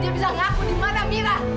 dia bisa ngaku di mana mira